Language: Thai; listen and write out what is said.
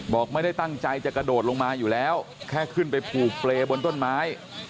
ไม่ได้ตั้งใจจะกระโดดลงมาอยู่แล้วแค่ขึ้นไปผูกเปรย์บนต้นไม้